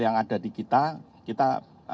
yang ada di kita kita